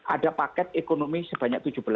ada paket ekonomi sebanyak tujuh belas